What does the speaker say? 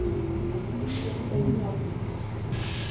Сырҵаҩ иакәын.